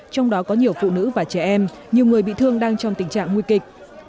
trong đó có nhiều phụ nữ và trẻ em nhiều người bị thương đang trong tình trạng nguy kịch